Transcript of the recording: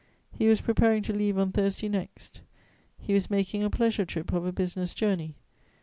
He was preparing to leave on Thursday next. He was making a pleasure trip of a business journey.